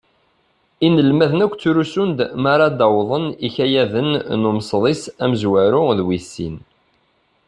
Inelmaden akk ttrusun-d mi ara d-awwḍen yikayaden n umesḍis amezwaru d wis sin.